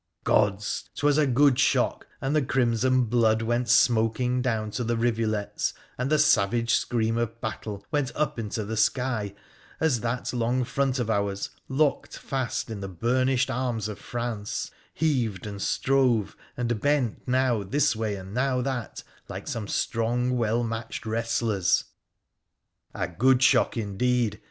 Gods ! 'twas a good shock, and the crimson blood went smoking down to the rivulets, and the savage scream of battle went up into the sky as that long front of ours, locked fast in the burnished arms of France, heaved and strove, and bent now this way and now that, like some strong, well matched wrestlers. A good shock indeed